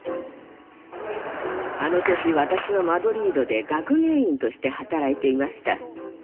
あの年私はマドリードで学芸員として働いていました。